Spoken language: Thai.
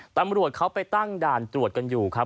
ตำรวจเขาไปตั้งด่านตรวจกันอยู่ครับ